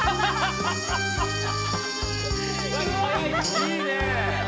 いいねえ！